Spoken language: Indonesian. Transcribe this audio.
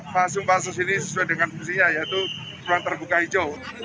pansum pansus ini sesuai dengan fungsinya yaitu ruang terbuka hijau